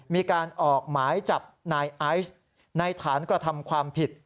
มีการออกหมายจับนายไอซ์ในฐานกระทำความผิด